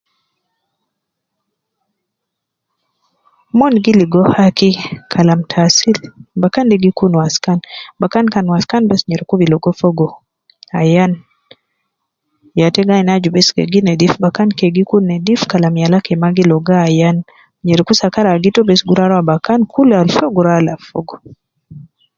Mon gi ligo haki Kalam taasil bakan de gi kun me waskan, bakan kan waskan bes nyereku bi ligo fogo ayan, ya te gi ayin aju bes ke gi nedif bakan ke gi kun nedif Kalam yala ke ma gi ligo ayan, nyereku sakar agi to bes gi rua rua bakan kul al uwo gi rua alab fogo